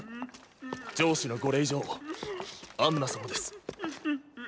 城主のご令嬢アンナ様です。